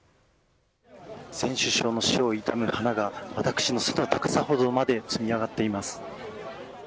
前首相の死を悼む花が私の背の高さほどまで積み上がっています。